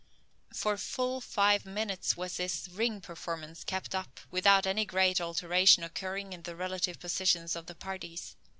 For full five minutes was this "ring" performance kept up, without any great alteration occurring in the relative positions of the parties.